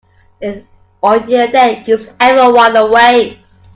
An onion a day keeps everyone away.